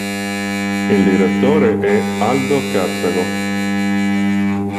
Il direttore è Aldo Cazzago.